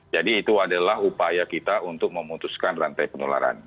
jadi itu adalah upaya kita untuk memutuskan rantai penularan